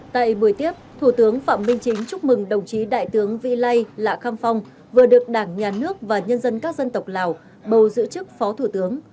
tại buổi tiếp thủ tướng phạm minh chính chúc mừng đồng chí đại tướng vi lây lạ kham phong vừa được đảng nhà nước và nhân dân các dân tộc lào bầu giữ chức phó thủ tướng